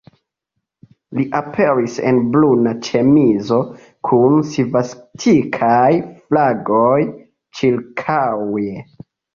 Li aperis en bruna ĉemizo, kun svastikaj flagoj ĉirkaŭe.